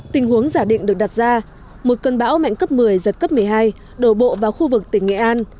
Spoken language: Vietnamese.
tình huống giả định được đặt ra một cơn bão mạnh cấp một mươi giật cấp một mươi hai đổ bộ vào khu vực tỉnh nghệ an